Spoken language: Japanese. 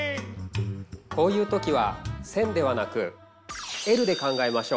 こういう時は線ではなくＬで考えましょう。